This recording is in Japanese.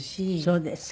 そうですか。